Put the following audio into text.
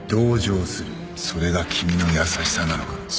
それが君の優しさなのか？